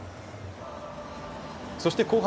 そして後半。